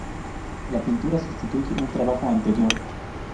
La pintura sustituye un trabajo anterior.